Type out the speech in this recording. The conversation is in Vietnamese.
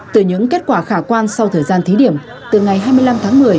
từ những kết quả khả quan sau thời gian thí điểm từ ngày hai mươi năm tháng một mươi